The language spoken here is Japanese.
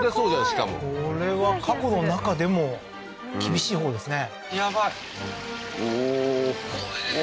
しかもこれは過去の中でも厳しいほうですね